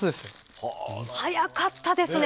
早かったですね。